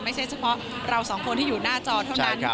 เฉพาะเราสองคนที่อยู่หน้าจอเท่านั้น